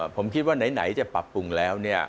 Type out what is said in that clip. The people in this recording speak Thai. ผมคิดว่าไหนจะปรับปรุงแล้ว